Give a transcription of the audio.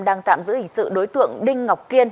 đang tạm giữ hình sự đối tượng đinh ngọc kiên